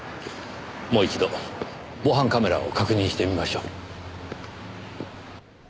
もう一度防犯カメラを確認してみましょう。